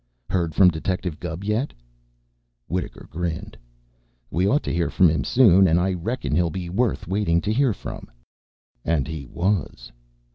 Heard from Detective Gubb yet?" Wittaker grinned. "We ought to hear from him soon. And I reckon he'll be worth waiting to hear from." And he was.